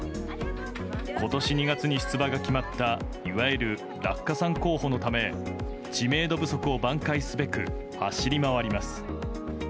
今年２月に出馬が決まったいわゆる落下傘候補のため知名度不足を挽回すべく走り回ります。